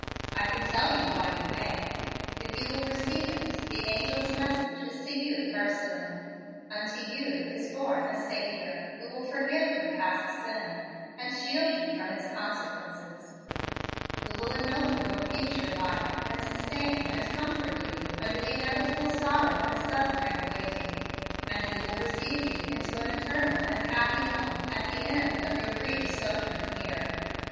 I can tell you why you may. If you will receive it, the angel's message is to you personally; unto you is born a Saviour who will forgive your past sin, and shield you from its consequences, who will ennoble your future life, and sustain and comfort you under the inevitable sorrow and suffering awaiting, and who will receive you into an eternal and a happy home at the end of your brief sojourn here.